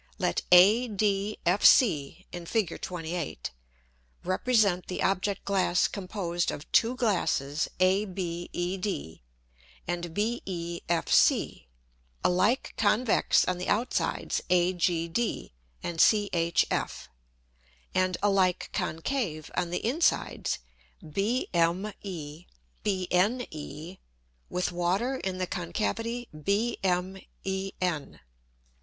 Let ADFC [in Fig. 28.] represent the Object glass composed of two Glasses ABED and BEFC, alike convex on the outsides AGD and CHF, and alike concave on the insides BME, BNE, with Water in the concavity BMEN.